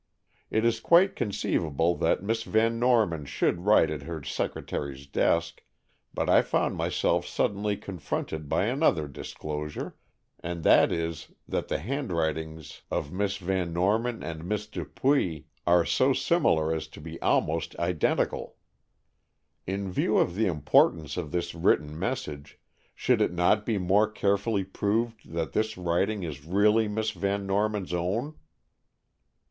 It is quite conceivable that Miss Van Norman should write at her secretary's desk, but I found myself suddenly confronted by another disclosure. And that is that the handwritings of Miss Van Norman and Miss Dupuy are so similar as to be almost identical. In view of the importance of this written message, should it not be more carefully proved that this writing is really Miss Van Norman's own?"